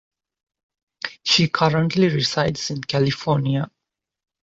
She currently resides in California.